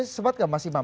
itu sempat gak mas iman